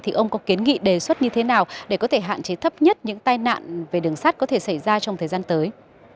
thì ông có kiến nghị đề xuất như thế nào để có thể hạn chế thấp nhất những tai nạn về đường sắt có thể xảy ra trong thời gian tới